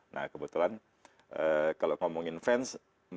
nah kebetulan kalau ngomongin fans